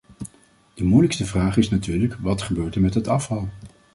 De moeilijkste vraag is natuurlijk: wat gebeurt er met het afval?